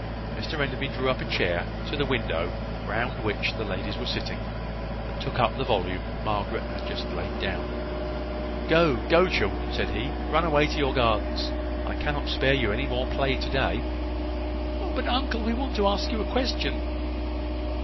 Mr Enderby drew a chair to the window round which the ladies were sitting, and took up the volume Margaret had just laid down. "Go, go, children!" said he; "run away to your gardens! I cannot spare you any more play to day." "Oh, but uncle, we want to ask you a question."